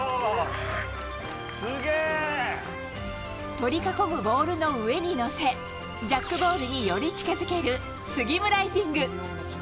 取り囲むボールの上に乗せジャックボールにより近づけるスギムライジング。